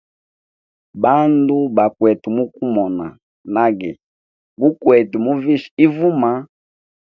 Bandu, bakwete mukumona nage gukwete muvisha ivuma.